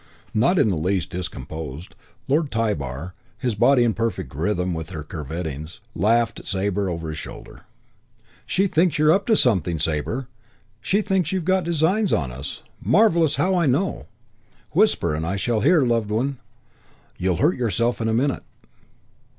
Not in the least discomposed, Lord Tybar, his body in perfect rhythm with her curvettings, laughed at Sabre over his shoulder. "She thinks you're up to something, Sabre. She thinks you've got designs on us. Marvellous how I know! Whisper and I shall hear, loved one. You'll hurt yourself in a minute."